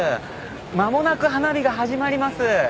間もなく花火が始まります。